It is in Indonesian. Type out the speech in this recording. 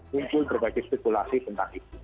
muncul berbagai spekulasi tentang itu